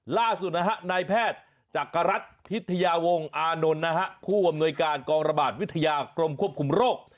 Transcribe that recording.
ล่าสุดนะฮะนายแพทย์จักรรัฐพิทยาวงศ์อานนท์นะฮะผู้อำนวยการกองระบาดวิทยากรมควบคุมโรค